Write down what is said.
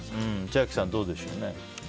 千秋さん、どうでしょうね。